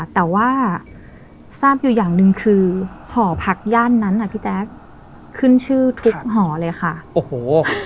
แต่ว่าทราบอยู่อย่างหนึ่งคือหอพักย่านนั้นอ่ะพี่แจ๊คขึ้นชื่อทุกหอเลยค่ะโอ้โห